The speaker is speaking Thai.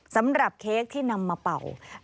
สำหรับเค้กที่นำมาเป่า